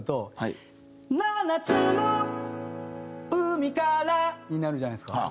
「七つの海から」になるじゃないですか。